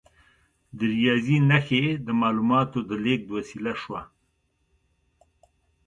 د ریاضي نښې د معلوماتو د لیږد وسیله شوه.